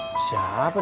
harus lebih berdampak